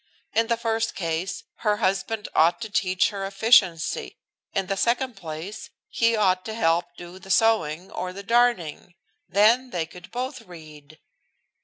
In the first case, her husband ought to teach her efficiency; in the second place, he ought to help do the sewing or the darning. Then they could both read."